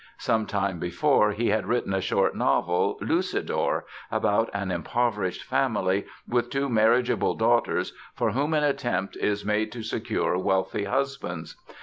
Some time before he had written a short novel, Lucidor, about an impoverished family with two marriageable daughters for whom an attempt is made to secure wealthy husbands.